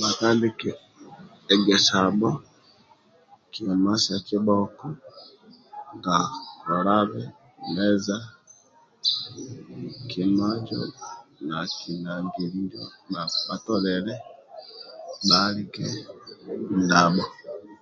Bhatandike egesabho kima sa kibhoko nga bialani meza kima injo na bhatodhebe bha alike ndabho